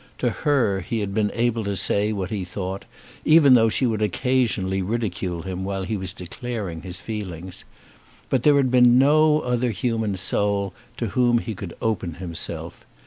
To her he had been able to say what he thought, even though she would occasionally ridicule him while he was declaring his feelings. But there had been no other human soul to whom he could open himself.